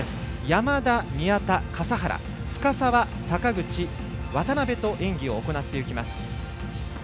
山田、宮田笠原、深沢、坂口、渡部と演技を行っていきます。